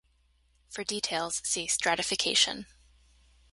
For details, see stratification.